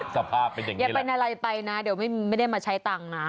กฎภาพเป็นอย่างนี้แหละนะครับยังเป็นอะไรไปนะเดี๋ยวไม่ได้มาใช้ตังค์นะ